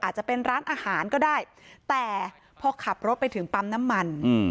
จะเป็นร้านอาหารก็ได้แต่พอขับรถไปถึงปั๊มน้ำมัน